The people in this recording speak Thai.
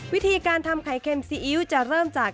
วิธีการทำไข่เค็มซีอิ๊วจะเริ่มจาก